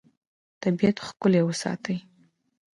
طبیعت ښکلی وساته.